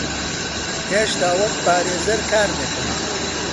هێشتا وەک پارێزەر کار دەکەم.